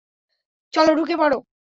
চলো, ঢুকে পড়ো।